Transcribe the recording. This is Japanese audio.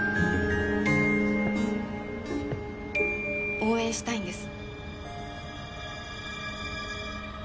応援したいんです。